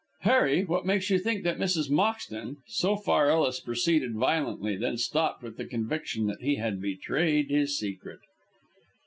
"Harry, what makes you think that Mrs. Moxton " So far Ellis proceeded violently, then stopped with the conviction that he had betrayed his secret.